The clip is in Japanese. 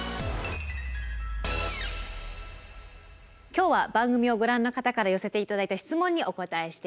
今日は番組をご覧の方から寄せて頂いた質問にお答えしています。